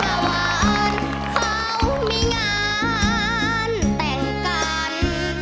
เมื่อวานเขามีงานแต่งกัน